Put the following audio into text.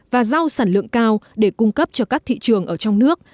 và rau sản lượng cao để cung cấp cho các thị trường ở trong nước